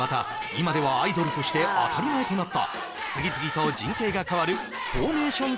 今ではアイドルとして当たり前となった次々と陣形が変わるフォーメーション